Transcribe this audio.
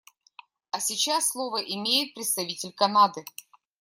А сейчас слово имеет представитель Канады.